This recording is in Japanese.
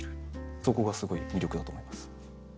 そこがすごい魅力だと思います。